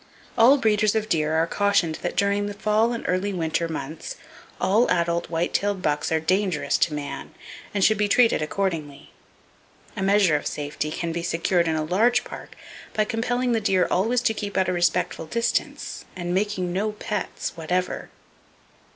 All breeders of deer are cautioned that during the fall and early winter months, all adult white tailed bucks are dangerous to man, and should be treated accordingly. A measure of safety can be secured in a large park by compelling the deer always to keep at a respectful distance, and making no "pets," whatever.